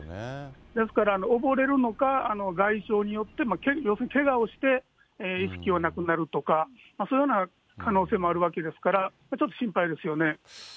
ですから、おぼれるのか、外傷によってけがをして意識がなくなるとか、そのような可能性もあるわけですから、ちょっと心配ですよね。